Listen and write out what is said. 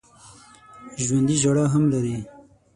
ژوندي ژړا هم لري